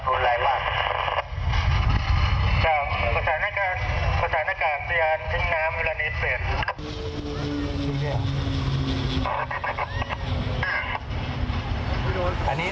คุณสาธารณการสะยานทิ้งน้ำเวลานี้เปลี่ยน